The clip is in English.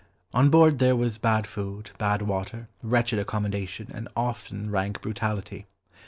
On board there was bad food, bad water, wretched accommodation, and often rank brutality.